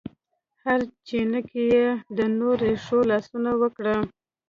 هره چینه کې یې د نور رېښو لاسونه وکړه